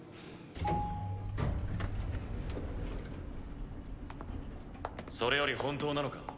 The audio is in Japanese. ポーンそれより本当なのか？